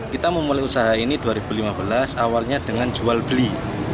kita memulai usaha ini dua ribu lima belas awalnya dengan jual beli